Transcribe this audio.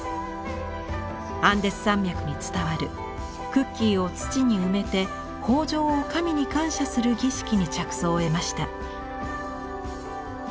アンデス山脈に伝わるクッキーを土に埋めて豊じょうを神に感謝する儀式に着想を得ました。